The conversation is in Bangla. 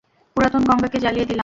পুরাতন গঙাকে জ্বালিয়ে দিলাম।